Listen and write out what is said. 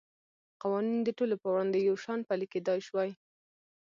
قوانین د ټولو په وړاندې یو شان پلی کېدای شوای.